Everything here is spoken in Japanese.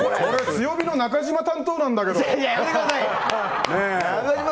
強火の中島担当なんだけど。